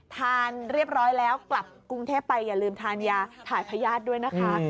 ทานเรียบร้อยแล้วกลับกรุงเทพไปอย่าลืมทานยาถ่ายพญาติด้วยนะคะ